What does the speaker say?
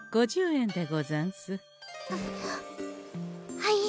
はい。